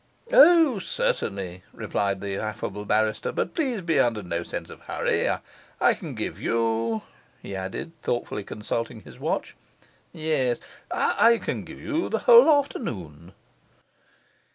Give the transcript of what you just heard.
'O, certainly,' replied the affable barrister. 'But please be under no sense of hurry. I can give you,' he added, thoughtfully consulting his watch 'yes, I can give you the whole afternoon.